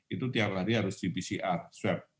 itu tiap hari harus di pcr swab